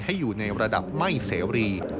อยู่ในระดับไม่เสรี